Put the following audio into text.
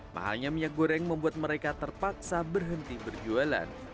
mahalnya minyak goreng membuat mereka terpaksa berhenti berjualan